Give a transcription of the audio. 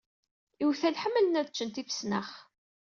Iwtal ḥemmlen ad ccen tifesnax.